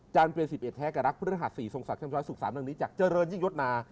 จันทร์เป็นสิบเอ็ดแท้กระลักษณ์พระฤหัสสี่ทรงศักดิ์แช่มช้อยสุกสามดังนี้จากเจริญยิ่งยศนา